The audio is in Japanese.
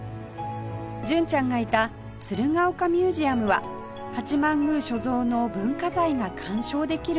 純ちゃんがいた鶴岡ミュージアムは八幡宮所蔵の文化財が鑑賞できるスポット